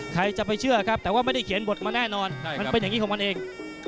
ใครจะไปเชื่อครับแต่ว่าไม่ได้เขียนบทมาแน่นอนมันเป็นอย่างนี้ของมันเอง